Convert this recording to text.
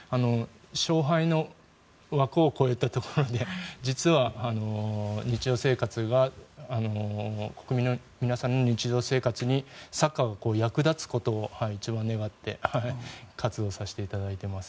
勝敗の枠を超えたところで実は日常生活は国民の皆さんの日常生活にサッカーが役立つことを一番願って活動させていただいています。